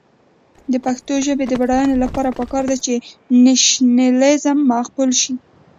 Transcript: د پښتو ژبې د بډاینې لپاره پکار ده چې نیشنلېزم معقول شي.